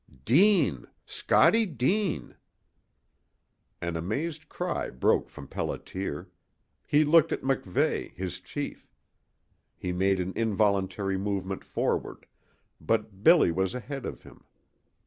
"Deane Scottie Deane!" An amazed cry broke from Pelliter. He looked at MacVeigh, his chief. He made an involuntary movement forward, but Billy was ahead of him.